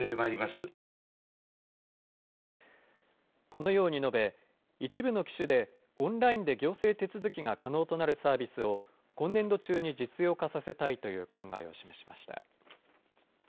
このように述べ一部の機種でオンラインで行政手続きが可能となるサービスを今年度中に実用化させたいという考えを示しました。